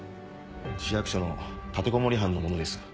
市役所の立てこもり犯の物です。